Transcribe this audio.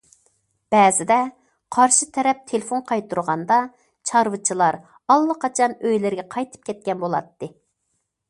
بەزىدە قارشى تەرەپ تېلېفون قايتۇرغاندا، چارۋىچىلار ئاللىقاچان ئۆيلىرىگە قايتىپ كەتكەن بولاتتى.